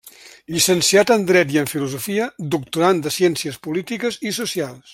Llicenciat en Dret i en Filosofia, doctorand de Ciències Polítiques i Socials.